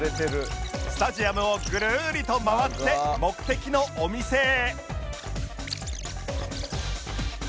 スタジアムをぐるりと回って目的のお店へ